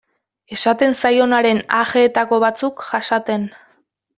Esaten zaionaren ajeetako batzuk jasaten.